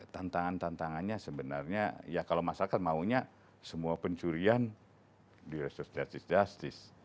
tantangan tantangannya sebenarnya ya kalau masyarakat maunya semua pencurian di resources justice